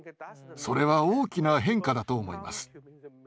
それは大きな変化だと思います。